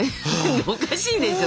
おかしいでしょ。